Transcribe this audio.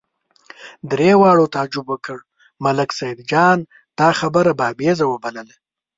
درې واړو تعجب وکړ، ملک سیدجان دا خبره بابېزه وبلله.